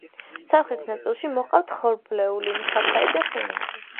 სამხრეთ ნაწილში მოჰყავთ ხორბლეული, შაქარი და სიმინდი.